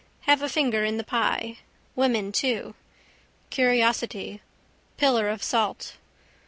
Have a finger in the pie. Women too. Curiosity. Pillar of salt.